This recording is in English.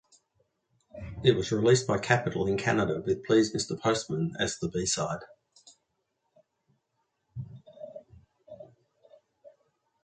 It was released by Capitol in Canada with "Please Mister Postman" as the B-side.